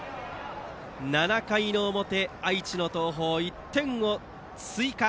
７回の表愛知の東邦、１点を追加。